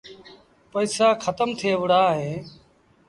پئيٚسآ کتم ٿئي وُهڙآ اهيݩ۔